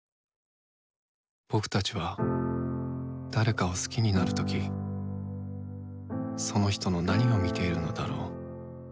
僕たちは誰かを好きになるときその人の何を見ているのだろう？